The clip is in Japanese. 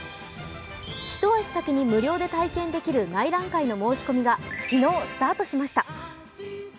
一足先に無料で体験できる内覧会の申し込みが昨日、スタートしました。